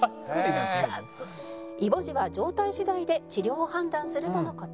「イボ痔は状態次第で治療を判断するとの事」